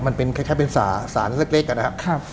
มันเป็นแค่เป็นสาสาเล็กอะนะครับ